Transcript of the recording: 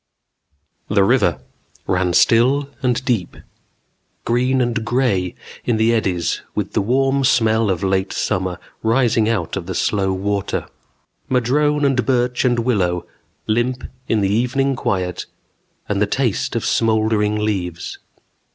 _|++ _The river ran still and deep, green and gray in the eddies with the warm smell of late summer rising out of the slow water. Madrone and birch and willow, limp in the evening quiet, and the taste of smouldering leaves....